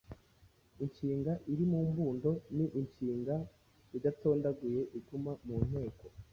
Inshinga iri mu mbundo ni inshinga idatondaguye iguma mu nteko